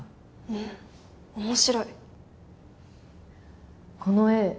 うん面白いこの絵